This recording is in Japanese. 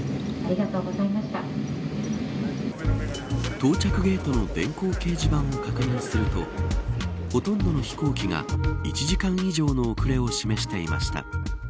到着ゲートの電光掲示板を確認するとほとんどの飛行機が１時間以上の遅れを示していました。